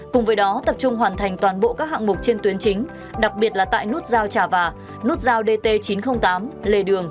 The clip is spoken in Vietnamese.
cùng với đó tập trung hoàn thành toàn bộ các hạng mục trên tuyến chính đặc biệt là tại nút giao trà và nút giao dt chín trăm linh tám lề đường